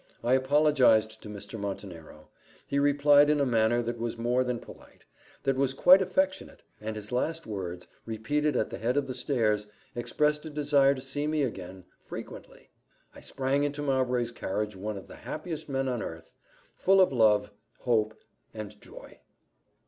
I apologized to Mr. Montenero. He replied in a manner that was more than polite that was quite affectionate; and his last words, repeated at the head of the stairs, expressed a desire to see me again frequently. I sprang into Mowbray's carriage one of the happiest men on earth, full of love, hope, and joy.